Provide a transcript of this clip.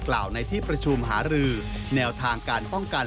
กล่าวในที่ประชุมหารือแนวทางการป้องกัน